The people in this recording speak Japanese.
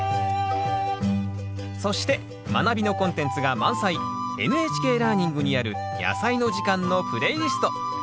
そして「まなび」のコンテンツが満載「ＮＨＫラーニング」にある「やさいの時間」のプレイリスト。